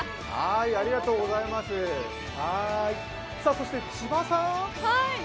そして千葉さーん。